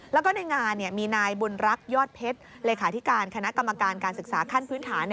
แล้วก็ในงานมีนายบุญรักษ์ยอดเพชรเลขาธิการคณะกรรมการการศึกษาขั้นพื้นฐาน